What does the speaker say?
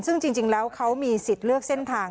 ซึ่งจริงแล้วเขามีสิทธิ์เลือกเส้นทาง